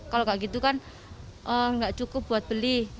kalau kayak gitu kan nggak cukup buat beli